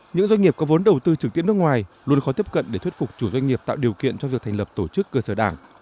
những doanh nghiệp có vốn đầu tư trực tiếp nước ngoài luôn khó tiếp cận để thuyết phục chủ doanh nghiệp tạo điều kiện cho việc thành lập tổ chức cơ sở đảng